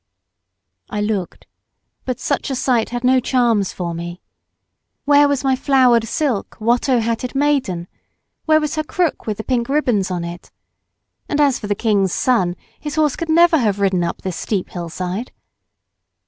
I looked, but such a sight had no charms for me. Where was my flowered silk, Watteau hatted maiden? Where was her crook with the pink ribbons on it ? And as for the king's son, his horse could never have ridden up this steep hillside.